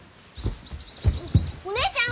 お姉ちゃん